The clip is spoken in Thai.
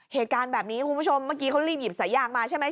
เหตุการณ์แบบนี้คุณผู้ชมเมื่อกี้เขารีบหยิบสายยางมาใช่ไหม